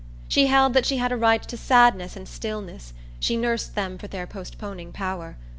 She held that she had a right to sadness and stillness; she nursed them for their postponing power.